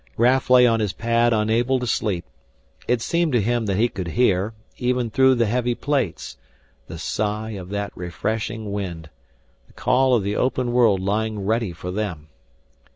Raf lay on his pad unable to sleep. It seemed to him that he could hear, even through the heavy plates, the sigh of that refreshing wind, the call of the open world lying ready for them.